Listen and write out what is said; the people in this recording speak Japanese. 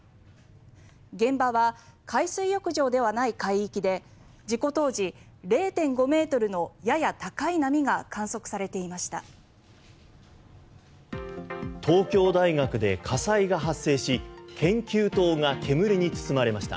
現場は海水浴場ではない海域で事故当時０．５ｍのやや高い波が観測されていました。